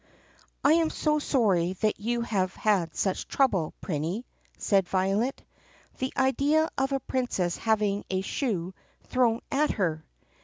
I AM so sorry that you have had such trouble, Prinny," said Violet. "The idea of a princess having a shoe thrown at her!"